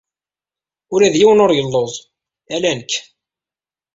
Ula d yiwen ur yelluẓ, ala nekk.